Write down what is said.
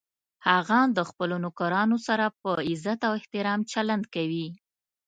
هغه د خپلو نوکرانو سره په عزت او احترام چلند کوي